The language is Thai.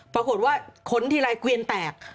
ปรากฏว่าขนทีไรเกวียนแตก